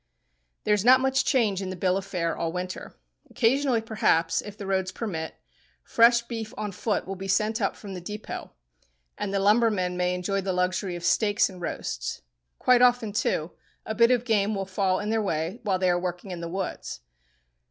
There is not much change in the bill of fare all winter. Occasionally, perhaps, if the roads permit, fresh beef "on foot" will be sent up from the depot, and the lumbermen may enjoy the luxury of steaks and roasts. Quite often, too, a bit of game will fall in their way while they are working in the woods.